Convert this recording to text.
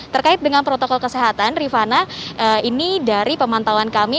terkait dengan protokol kesehatan rifana ini dari pemantauan kami